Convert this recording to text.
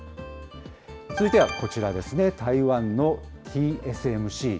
続いてはこちらですね、台湾のＴＳＭＣ。